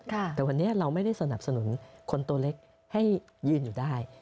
แต่วันนี้เราไม่ได้สนับสนุนคนตัวเล็กให้ยืนอยู่ได้